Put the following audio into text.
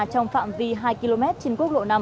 trong phạm vi hai km trên quốc lộ năm